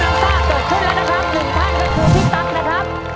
๑ท่านก็คือพี่ตั๊กนะครับ